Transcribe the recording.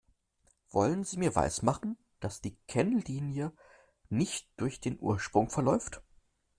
Wollen Sie mir weismachen, dass die Kennlinie nicht durch den Ursprung verläuft?